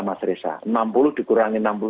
mas resa enam puluh dikurangi